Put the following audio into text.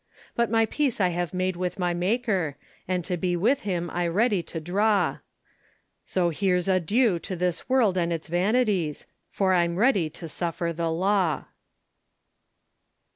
"But my peace I have made with my Maker, And to be with Him I'ready to draw; So here's adieu! to this world and its vanities, For I'm ready to suffer the law."